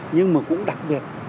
nhưng mà cũng đặc biệt